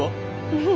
うん。